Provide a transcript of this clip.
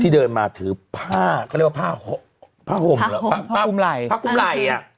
ที่เดินมาถือผ้าก็เรียกว่าผ้าผ้าห่มหรอผ้าห่มผ้าคุ้มไหล่ผ้าคุ้มไหล่อ่ะ